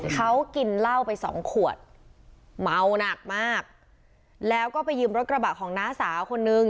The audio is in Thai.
เขากินเหล้าไปสองขวดเมาหนักมากแล้วก็ไปยืมรถกระบะของน้าสาวคนนึง